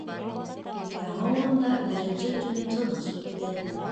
Яңы урында беренсе төн тыныс үтте.